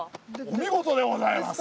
お見事でございます。